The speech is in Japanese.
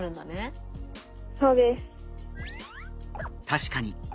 確かに。